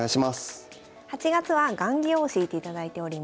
８月は雁木を教えていただいております。